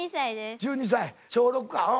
１２歳小６かおう。